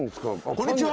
こんにちは。